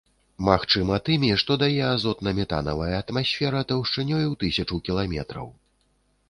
Магчыма, тымі, што дае азотна-метанавая атмасфера таўшчынёй у тысячу кіламетраў.